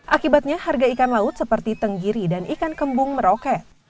akibatnya harga ikan laut seperti tenggiri dan ikan kembung meroket